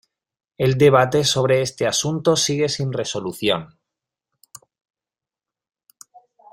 El debate sobre este asunto sigue sin resolución.